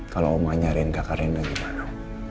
kalau oma nyariin kakak rena gimana